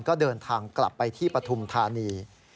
ก็เดินทางกลับไปที่ปฐุมธานี